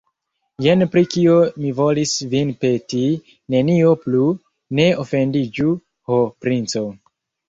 Jen pri kio mi volis vin peti, nenio plu, ne ofendiĝu, ho, princo!